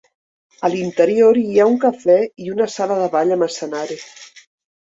A l'interior hi ha un cafè i una sala de ball amb escenari.